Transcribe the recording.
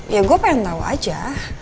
ya gue pengen tau aja